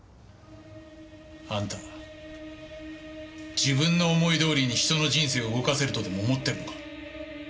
あんた自分の思い通りに人の人生を動かせるとでも思ってるのか？